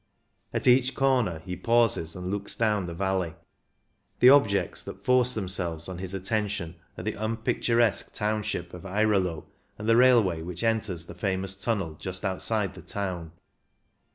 At each corner he pauses and looks down the valley. The objects that force themselves on his attention are th^ unpicturesque township of Airolo, and the railway which enters the famous tunnel just outside the town.